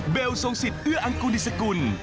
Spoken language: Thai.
เบลสงสิทธิ์เอื้ออังกุฎิสกุล